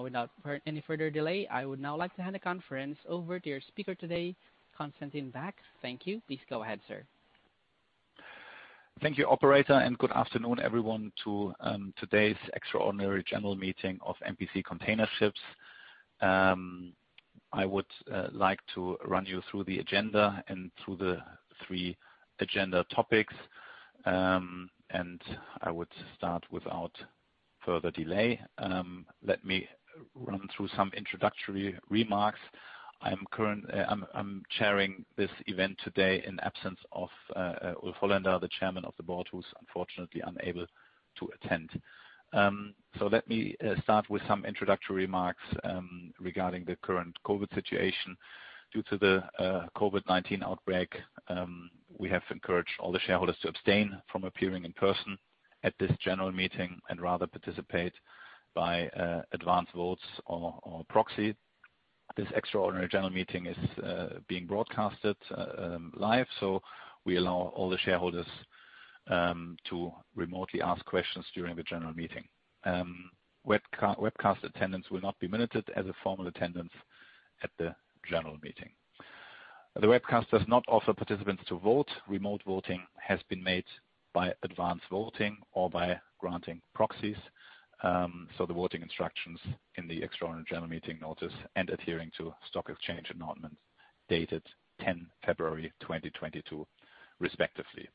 Now, without any further delay, I would now like to hand the conference over to your speaker today, Constantin Baack. Thank you. Please go ahead, sir. Thank you, operator, and good afternoon everyone to today's extraordinary general meeting of MPC Container Ships. I would like to run you through the agenda and through the three agenda topics. I would start without further delay. Let me run through some introductory remarks. I'm chairing this event today in absence of Ulf Holländer, the Chairman of the Board, who's unfortunately unable to attend. Let me start with some introductory remarks regarding the current COVID situation. Due to the COVID-19 outbreak, we have encouraged all the shareholders to abstain from appearing in person at this general meeting and rather participate by advanced votes or proxy. This extraordinary general meeting is being broadcasted live, so we allow all the shareholders to remotely ask questions during the general meeting. Webcast attendance will not be minuted as a formal attendance at the general meeting. The webcast does not offer participants to vote. Remote voting has been made by advanced voting or by granting proxies. The voting instructions in the extraordinary general meeting notice and adhering to stock exchange announcements dated 10 February 2022 respectively.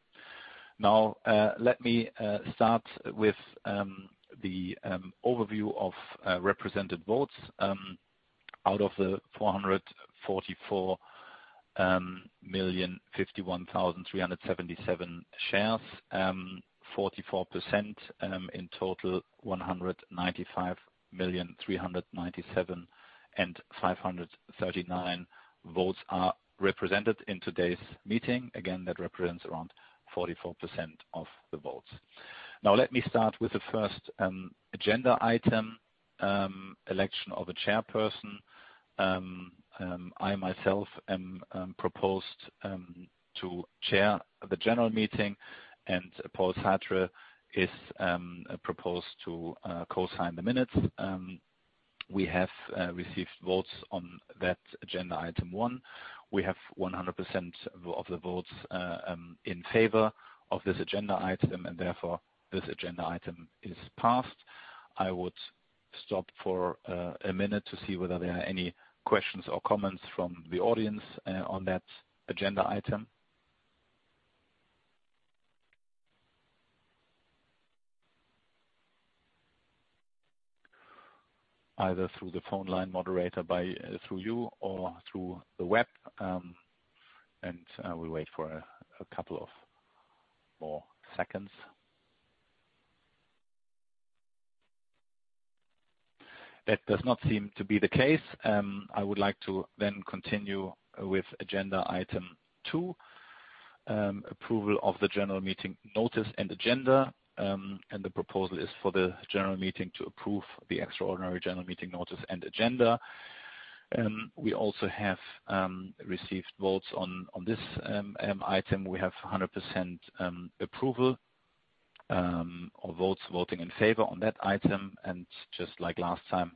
Now, let me start with the overview of represented votes. Out of the 444,051,377 shares, 44% in total 195,397,539 votes are represented in today's meeting. Again, that represents around 44% of the votes. Now, let me start with the first agenda item, election of a chairperson. I myself am proposed to chair the general meeting, and Pål Sætre is proposed to co-sign the minutes. We have received votes on that agenda item one. We have 100% of the votes in favor of this agenda item, and therefore this agenda item is passed. I would stop for a minute to see whether there are any questions or comments from the audience on that agenda item. Either through the phone line moderated by you or through the web. We wait for a couple of more seconds. That does not seem to be the case. I would like to then continue with agenda item two, approval of the general meeting notice and agenda. The proposal is for the general meeting to approve the extraordinary general meeting notice and agenda. We also have received votes on this item. We have 100% approval or votes in favor on that item. Just like last time,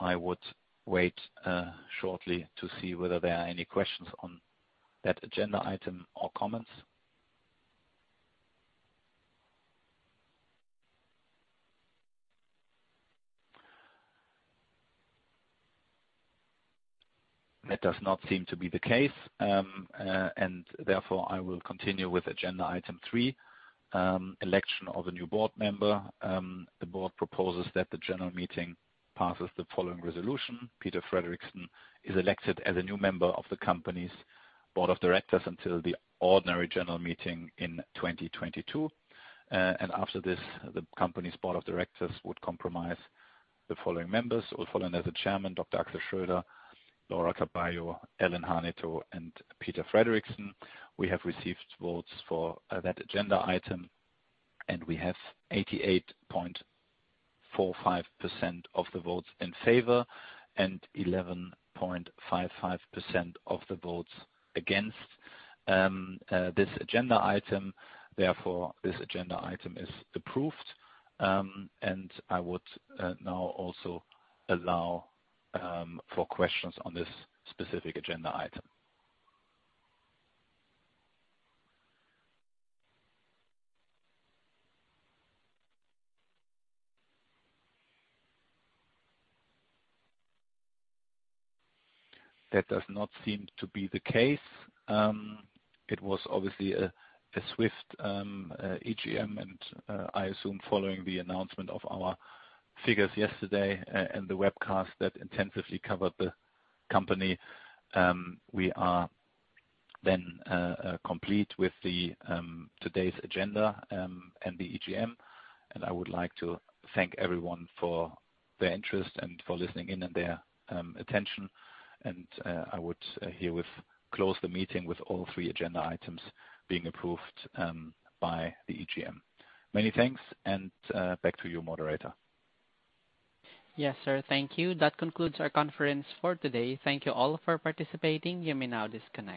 I would wait shortly to see whether there are any questions on that agenda item or comments. That does not seem to be the case. Therefore, I will continue with agenda item three, election of a new board member. The board proposes that the general meeting passes the following resolution. Peter Frederiksen is elected as a new member of the company's board of directors until the ordinary general meeting in 2022. After this, the company's board of directors would comprise the following members: Ulf Holländer, the Chairman, Dr. Axel Schroeder, Laura Carballo, Ellen Hanetho, and Peter Frederiksen. We have received votes for that agenda item, and we have 88.45% of the votes in favor and 11.55% of the votes against this agenda item. Therefore, this agenda item is approved. I would now also allow for questions on this specific agenda item. That does not seem to be the case. It was obviously a swift EGM and I assume following the announcement of our figures yesterday and the webcast that intensively covered the company. We are then complete with today's agenda and the EGM. I would like to thank everyone for their interest and for listening in and their attention. I would herewith close the meeting with all three agenda items being approved by the EGM. Many thanks and back to you, moderator. Yes, sir. Thank you. That concludes our conference for today. Thank you all for participating. You may now disconnect.